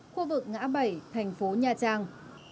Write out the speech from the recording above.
khu vực ngã bảy thành phố nha trang